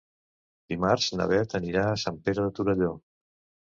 Dimarts na Beth anirà a Sant Pere de Torelló.